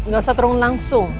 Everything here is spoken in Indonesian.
gak usah turun langsung